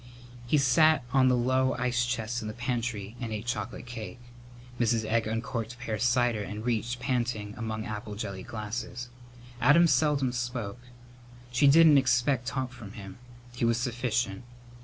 He sat on the low ice chest in the pantry and ate chocolate cake. Mrs. Egg uncorked pear cider and reached, panting, among apple jelly glasses. Adam seldom spoke. She didn't expect talk from him. He was sufficient.